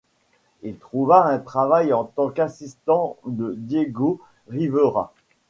Il trouva un travail en tant qu'assistant de Diego Rivera.